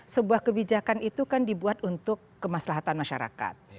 sebuah kebijakan itu kan dibuat untuk kemaslahatan masyarakat